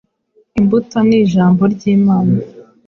Imbuto ni Ijambo ry’Imana.